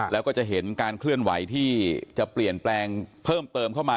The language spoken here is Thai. แล้วก็จะเห็นการเคลื่อนไหวที่จะเปลี่ยนแปลงเพิ่มเติมเข้ามา